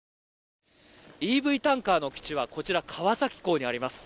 ＥＶタンカーの基地はこちら川崎港にあります。